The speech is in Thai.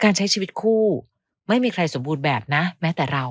ใช้ชีวิตคู่ไม่มีใครสมบูรณ์แบบนะแม้แต่เรา